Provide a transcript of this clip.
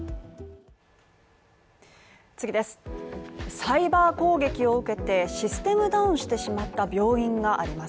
サイバー攻撃を受けて、システムダウンしてしまった病院があります。